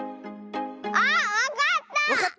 あっわかった！